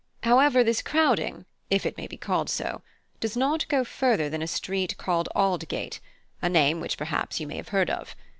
However, this crowding, if it may be called so, does not go further than a street called Aldgate, a name which perhaps you may have heard of.